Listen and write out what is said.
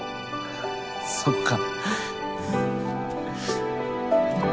そっか。